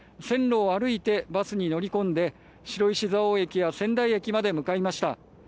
線路を歩いてバスに乗り込んで白石蔵王駅や仙台駅まで向かいました。